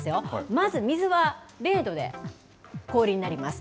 まず、水は０度で氷になります。